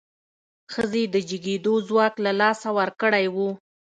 ښځې د جګېدو ځواک له لاسه ورکړی و.